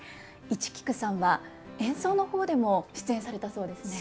市菊さんは演奏の方でも出演されたそうですね。